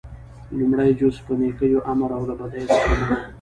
لومړی جز - په نيکيو امر او له بديو څخه منع: